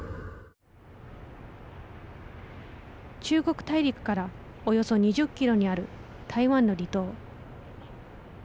中国大陸からおよそ２０キロにある台湾の離島。